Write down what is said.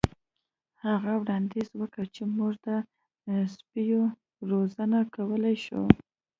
هغه وړاندیز وکړ چې موږ د سپیو روزنه کولی شو